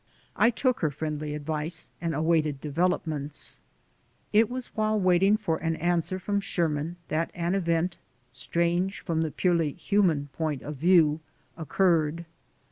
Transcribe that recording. I took her friendly advice and awaited developments. It was while waiting for an answer from Sherman that an event, strange from the purely human point of view, occurred.